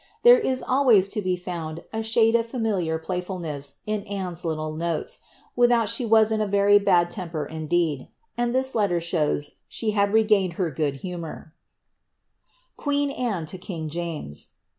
There is always to be found a shade of familiar plajrfulness in Anne's little notes, without she was in a very bad temper mdeed ; and this letter shows she had regained her good humour :— 100 AXlfBOPDENllABX. Qi7ii> Aaxi Tn Kiss JiBii.